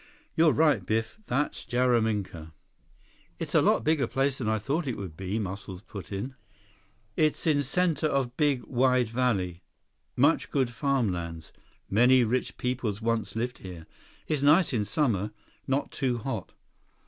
"You right, Biff. That Jaraminka." 136 "It's a lot bigger place than I thought it would be," Muscles put in. "It's in center of big, wide valley. Much good farm lands. Many rich peoples once live here. Is nice in summer. Not too hot."